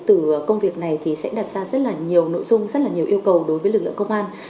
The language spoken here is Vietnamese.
từ công việc này thì sẽ đặt ra rất là nhiều nội dung rất là nhiều yêu cầu đối với lực lượng công an